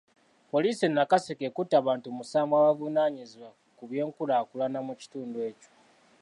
Poliisi e Nakaseke ekutte abantu musanvu abavunaanyizibwa ku by'enkulaakulana mu kitundu kino .